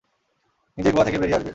নিজেই গুহা থেকে বেরিয়ে আসবে।